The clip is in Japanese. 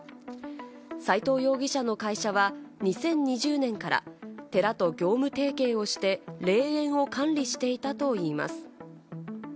斎藤容疑者の会社は２０２０年から寺と業務提携をして、霊園を管理していたといいます。